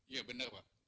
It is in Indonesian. iya benar pak